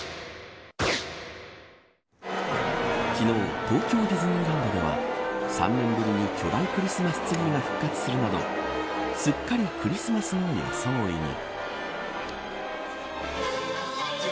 昨日東京ディズニーランドでは３年ぶりに巨大クリスマスツリーが復活するなどすっかりクリスマスの装いに。